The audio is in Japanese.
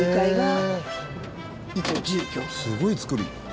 すごい造り。